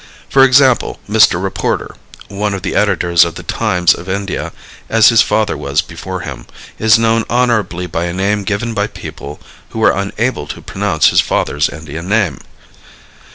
For example, "Mr. Reporter," one of the editors of the Times of India, as his father was before him, is known honorably by a name given by people who were unable to pronounce his father's Indian name.